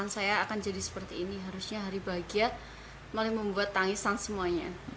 saya tidak menyangka kalau pernikahan saya akan jadi seperti ini harusnya hari bahagia malah membuat tangisan semuanya